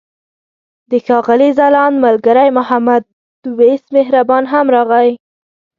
د ښاغلي ځلاند ملګری محمد وېس مهربان هم راغی.